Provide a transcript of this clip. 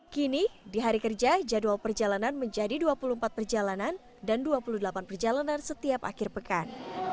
kini di hari kerja jadwal perjalanan menjadi dua puluh empat perjalanan dan dua puluh delapan perjalanan setiap akhir pekan